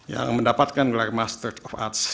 yang mendapatkan gelar master of arts